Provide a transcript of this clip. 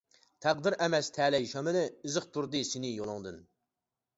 تەقدىر ئەمەس تەلەي شامىلى، ئېزىقتۇردى سېنى يولۇڭدىن.